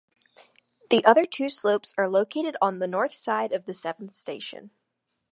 The other two slopes are located on the north side of the Seventh station.